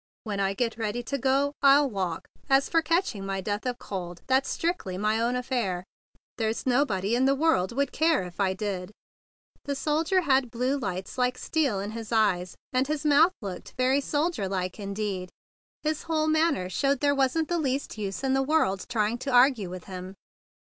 When I get ready to go, I'll walk. As for catching my death of cold, that's strictly my own affair. There's nobody in the world would care if I did." 122 THE BIG BLUE SOLDIER The soldier had blue lights like steel in his eyes, and his mouth looked very soldier like indeed. His whole manner showed that there wasn't the least use in the world trying to argue with him.